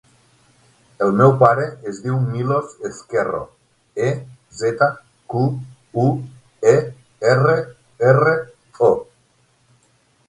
El meu pare es diu Milos Ezquerro: e, zeta, cu, u, e, erra, erra, o.